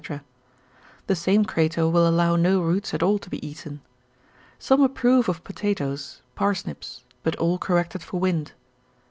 The same Crato will allow no roots at all to be eaten. Some approve of potatoes, parsnips, but all corrected for wind.